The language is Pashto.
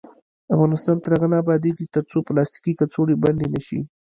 افغانستان تر هغو نه ابادیږي، ترڅو پلاستیکي کڅوړې بندې نشي.